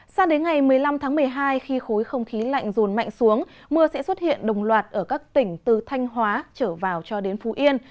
sang đến ngày một mươi năm tháng một mươi hai khi khối không khí lạnh rồn mạnh xuống mưa sẽ xuất hiện đồng loạt ở các tỉnh từ thanh hóa trở vào cho đến phú yên